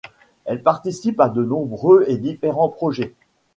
Elle participe à de nombreux et différents projets.